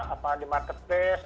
apa di marketplace